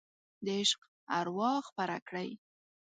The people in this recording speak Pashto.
د عشق اروا خپره کړئ